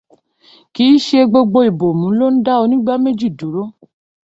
Kì í ṣe gbogbo ìbòmù ló ń dá onígbáméjì dúró.